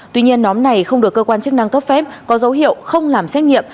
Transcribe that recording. tuy nhiên nhóm này không được cơ quan chức năng cấp phép có dấu hiệu không làm xét nghiệm